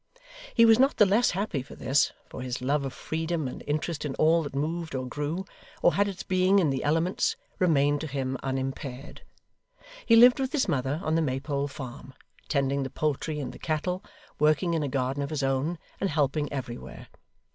He was not the less happy for this, for his love of freedom and interest in all that moved or grew, or had its being in the elements, remained to him unimpaired. He lived with his mother on the Maypole farm, tending the poultry and the cattle, working in a garden of his own, and helping everywhere.